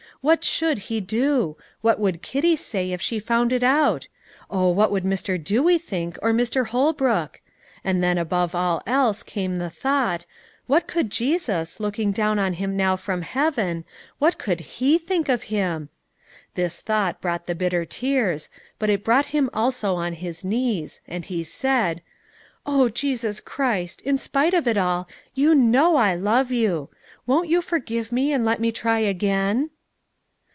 "What should he do? What would Kitty say, if she found it out? Oh, what would Mr. Dewey think, or Mr. Holbrook? and then, above all else, came the thought, What could Jesus, looking down on him now from heaven, what could He think of him? This thought brought the bitter tears, but it brought him also on his knees; and he said, "Oh, Jesus Christ, in spite of it all, you know I love you. Won't you forgive me and let me try again?"